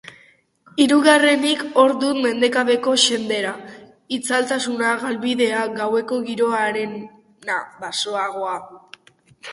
Hirugarrenik hor dut mendebaleko xendera itzaltsua, galbidea, gaueko giroarena, basagoa.